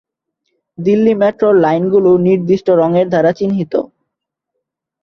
দিল্লি মেট্রোর লাইনগুলি নির্দিষ্ট রঙের দ্বারা চিহ্নিত।